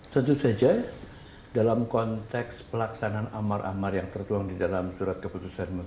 tentu saja dalam konteks pelaksanaan amar amar yang tertuang di dalam surat keputusan menteri